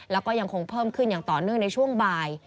แล้วก็ยังคงเพิ่มขึ้นอย่างต่อเนื่องในช่วงบ่าย